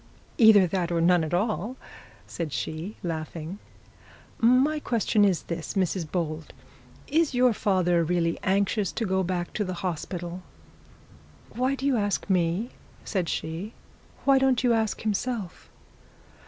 'Either that or none at all,' said she, laughing. 'My question is this, Mrs Bold; is your father really anxious to get back to the hospital?' 'Why do you ask me?' said she. 'Why don't you ask himself?'